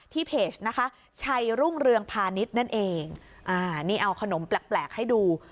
เพจนะคะชัยรุ่งเรืองพาณิชย์นั่นเองอ่านี่เอาขนมแปลกแปลกให้ดู